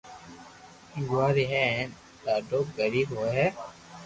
گوزاري ھي ھين ڌاڌو غرين ھوئي ھي